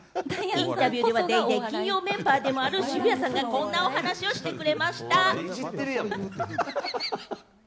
インタビューでは『ＤａｙＤａｙ．』金曜メンバーでもある渋谷さんがこんなお話をしてくれました。